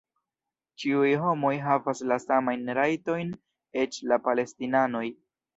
Ĉiuj homoj havas la samajn rajtojn... eĉ la palestinanoj!